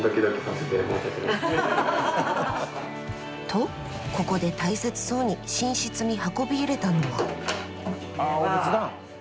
とここで大切そうに寝室に運び入れたのは。